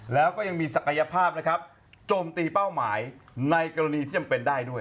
แล้วก็ยังมีศักยภาพนะครับโจมตีเป้าหมายในกรณีที่จำเป็นได้ด้วย